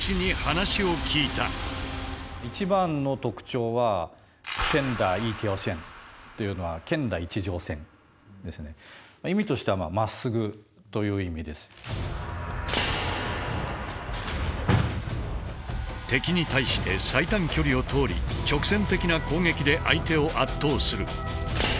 一番の特徴は意味としては敵に対して最短距離を通り直線的な攻撃で相手を圧倒する。